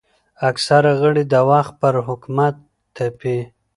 اکثره غړي د وخت پر حکومت تپي